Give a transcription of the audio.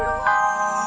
nimas jalan dulu